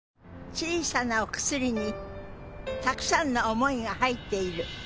小さなお薬にたくさんの想いが入っている。